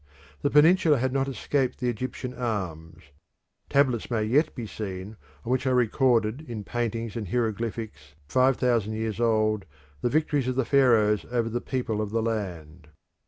The peninsula had not escaped the Egyptian arms; tablets may yet be seen on which are recorded in paintings and hieroglyphics five thousand years old the victories of the Pharaohs over the people of the land.